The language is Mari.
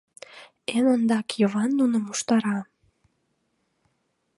Эн ондак Йыван нуным уштара.